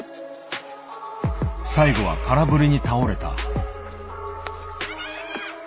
最後は空振りに倒れた。